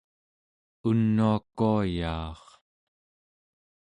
unuakuayaar